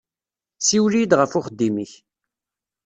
Siwel-iyi-d ɣef uxeddim-ik.